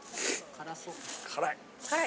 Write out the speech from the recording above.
・・辛い？